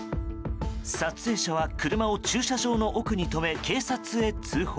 撮影者は車を駐車場の奥に止め警察に通報。